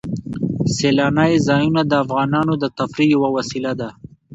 سیلانی ځایونه د افغانانو د تفریح یوه وسیله ده.